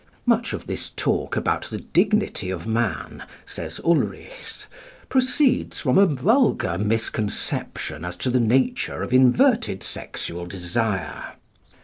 Much of this talk about the dignity of man, says Ulrichs, proceeds from a vulgar misconception as to the nature of inverted sexual desire.